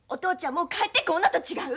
もう帰ってこんのと違う？